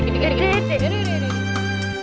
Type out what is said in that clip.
tik tik tik